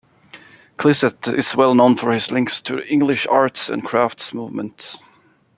Clissett is well known for his links to the English Arts and Crafts Movement.